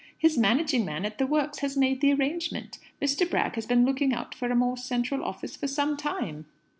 His managing man at the works has made the arrangement. Mr. Bragg has been looking out for a more central office for some time."